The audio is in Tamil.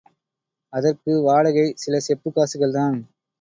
அதற்கு வாடகை சில செப்புக் காசுகள்தான்.